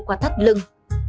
qua thắt lưng